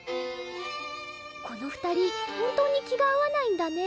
この２人本当に気が合わないんだね。